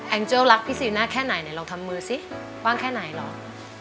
อังเจิลรักพี่สีหน้าแค่ไหนลองทำมือสิว่างแค่ไหนลอง